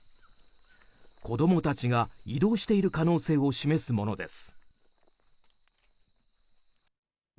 子供たちが移動している可能性を示すものです。